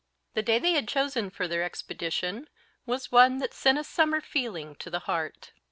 The day they had chosen for their expedition was one that "sent a summer feeling to the heart."